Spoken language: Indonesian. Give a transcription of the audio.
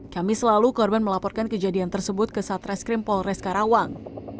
kami selalu korban melaporkan kejadian tersebut ke satreskrim polres karawang